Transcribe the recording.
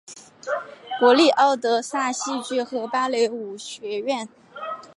国立敖德萨戏剧和芭蕾舞学院剧场是乌克兰城市敖德萨历史最悠久的一座剧场。